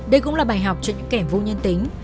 đây cũng là bài học cho những kẻm vô nhân tính